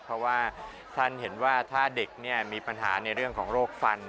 เพราะว่าท่านเห็นว่าถ้าเด็กมีปัญหาในเรื่องของโรคฟัน